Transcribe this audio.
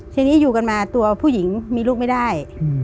ทีนี้อยู่กันมาตัวผู้หญิงมีลูกไม่ได้